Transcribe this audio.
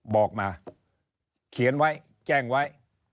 บอกมาเขียนไว้แจ้งไว้